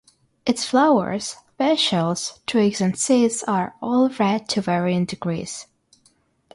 Its flowers, petioles, twigs and seeds are all red to varying degrees.